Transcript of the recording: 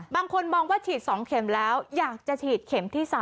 บางคนมองว่าฉีด๒เข็มแล้วอยากจะฉีดเข็มที่๓